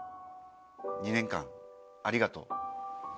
２年間ありがとう。